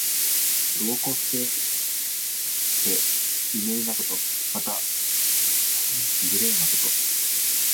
度を越してていねいなこと。また、慇懃無礼なこと。